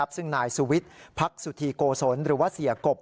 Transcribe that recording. ซึ่งนายสุวิทย์พักสุธีโกศลหรือว่าเสียกบ